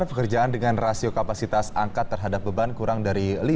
pekerjaan dengan rasio kapasitas angkat terhadap beban kurang dari lima